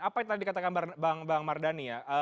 apa yang tadi katakan bang mardhani ya